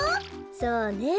そうね。